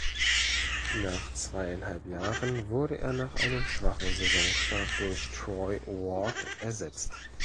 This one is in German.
Nach zweieinhalb Jahren wurde er nach einem schwachen Saisonstart durch Troy Ward ersetzt.